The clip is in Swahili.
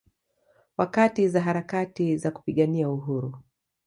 Wakati wa harakati za kupigania Uhuru